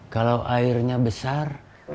kalau airnya besar